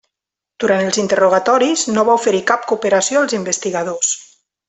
Durant els interrogatoris, no va oferir cap cooperació als investigadors.